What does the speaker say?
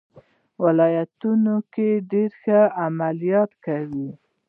ولانتیني ډېر ښه عملیات کړي و.